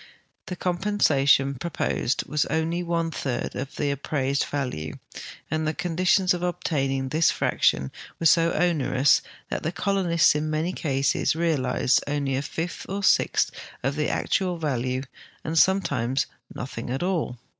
The compensation proposed was only one third of the appraised value, and the conditions of obtaining this fraction were so onerous that the colonists in many cases realized only a fifth or a sixth of the actual value, and sometimes nothins: at all.